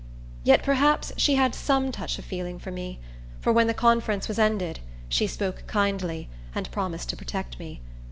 Yet perhaps she had some touch of feeling for me; for when the conference was ended, she spoke kindly, and promised to protect me.